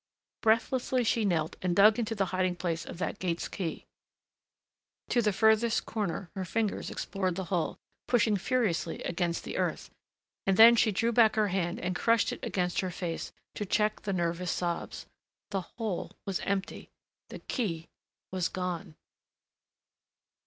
Breathlessly she knelt and dug into the hiding place of that gate's key. To the furthest corner her fingers explored the hole, pushing furiously against the earth. And then she drew back her hand and crushed it against her face to check the nervous sobs. The hole was empty. The key was gone.